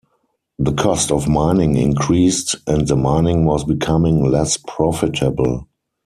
The cost of mining increased and the mining was becoming less profitable.